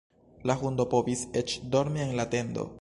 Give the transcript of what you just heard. La hundo povis eĉ dormi en la tendo.